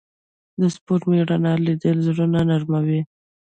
د سپوږمۍ رڼا لیدل زړونه نرموي